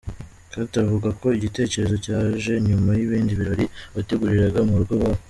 Kate avuga ko igitekerezo cyaje nyuma y’ibindi birori bateguriraga mu rugo iwabo.